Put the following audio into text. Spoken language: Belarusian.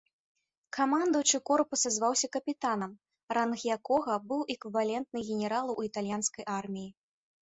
Камандуючы корпуса зваўся капітанам, ранг якога быў эквівалентны генералу ў італьянскай арміі.